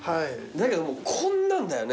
だけどもうこんなんだよね。